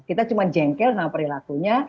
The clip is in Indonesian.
kita cuma jengkel sama perilakunya